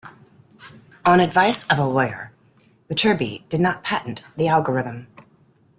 On advice of a lawyer, Viterbi did not patent the algorithm.